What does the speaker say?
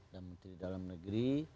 dan menteri dalam negeri